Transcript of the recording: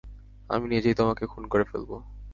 আমি নিজেই তোমাকে খুন করে ফেলবো।